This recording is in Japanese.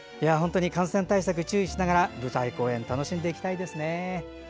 感染対策注意しながら舞台公演楽しんでいきたいですね。